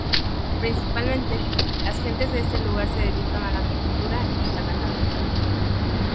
Principalmente, las gentes de este lugar se dedican a la agricultura y la ganadería.